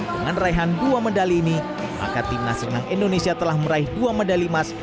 dengan raihan dua medali ini maka timnas renang indonesia telah meraih dua medali emas